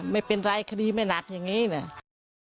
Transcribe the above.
ไม่เป็นไรคดีไม่หนักอย่างนี้เนี่ย